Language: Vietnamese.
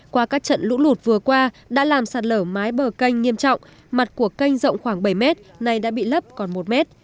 qua các trận lũ lụt vừa qua đã làm sạt lở mái bờ canh nghiêm trọng mặt của kênh rộng khoảng bảy mét nay đã bị lấp còn một mét